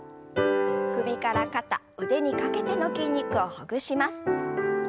首から肩腕にかけての筋肉をほぐします。